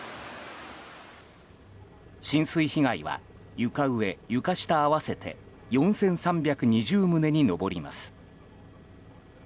浸水被害は床上・床下合わせて４３２０棟に上ります。